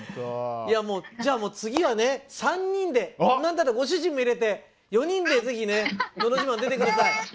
いやもうじゃあ次はね３人で何だったらご主人も入れて４人でぜひね「のど自慢」出て下さい。